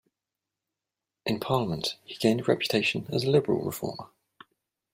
In Parliament he gained a reputation as a liberal reformer.